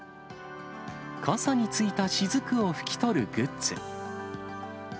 傘についたしずくを拭き取るグッズ。